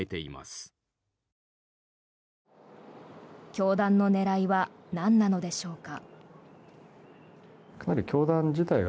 教団の狙いはなんなのでしょうか。